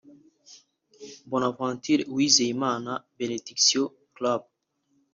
Bonaventure Uwizeyimana (Benediction Club)